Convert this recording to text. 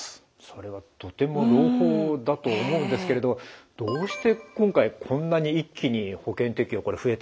それはとても朗報だと思うんですけれどどうして今回こんなに一気に保険適用が増えたんでしょうか？